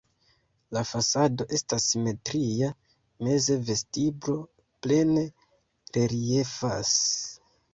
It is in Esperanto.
La fasado estas simetria, meze vestiblo plene reliefas.